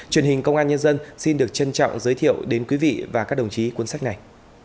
truyền hình công an nhân dân xin được trân trọng giới thiệu đến quý vị và các đồng chí cuốn sách này